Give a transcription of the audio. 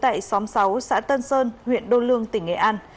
tại khu vực xã yên sơn huyện đô lương tỉnh nghệ an